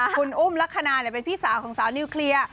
คุณอุ้มลักษณะเป็นพี่สาวของสาวนิวเคลียร์